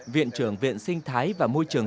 viện trưởng viện sinh thái và môi trường